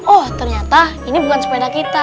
oh ternyata ini bukan sepeda kita